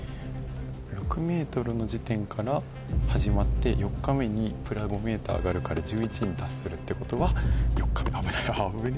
６ｍの時点から始まって４日目にプラス５ｍ上がるから１１に達するってことは４日目危ない。